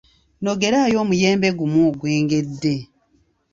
Nogerayo omuyembe ogumu ogwengedde.